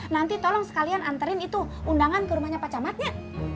nanti tolong sekalian anterin itu undangan ke rumahnya pacamatnya